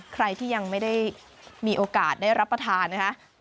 ใครที่ยังไม่ได้มีโอกาสได้รับประทานนะคะ